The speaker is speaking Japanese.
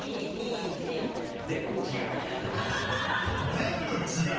全部違う！